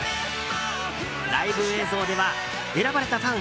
ライブ映像では選ばれたファン